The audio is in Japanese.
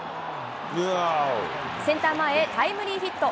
センター前へタイムリーヒット。